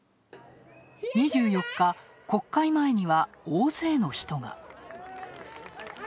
２４日、国会前には大勢の人が。